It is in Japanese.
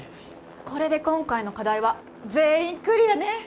これで今回の課題は全員クリアね！